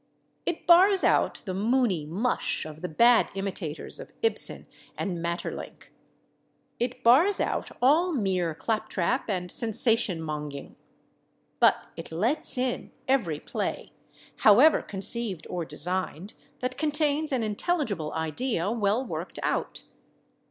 It bars out the moony mush of the bad imitators of Ibsen and Maeterlinck. It bars out all mere claptrap and sensation monging. But it lets in every play, however conceived or designed, that contains an intelligible idea well worked out.